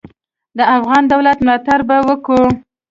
د افغان دولت ملاتړ به وکي.